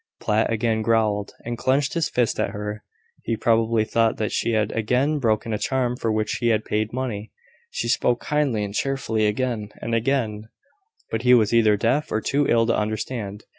Platt again growled, and clenched his fist at her. He probably thought that she had again broken a charm for which he had paid money. She spoke kindly and cheerfully, again and again; but he was either deaf or too ill to understand.